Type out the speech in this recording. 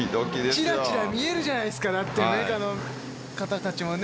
チラチラ見えるじゃないですかだってメカの方たちもね。